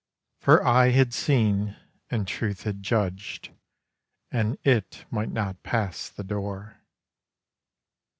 For Eye had seen; and Truth had judged ... and It might not pass the Door!